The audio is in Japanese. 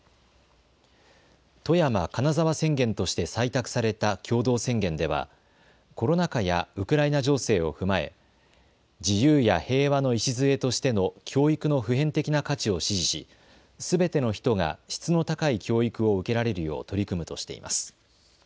富山・金沢宣言として採択された共同宣言ではコロナ禍やウクライナ情勢を踏まえ自由や平和の礎としての教育の普遍的な価値を支持しすべての人が質の高い教育を受けられるよう取り組むとしています。